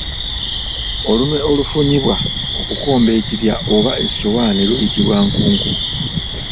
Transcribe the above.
Olunwe olufunyibwa okukomba ekibya oba essowaani luyitibwa nkuku.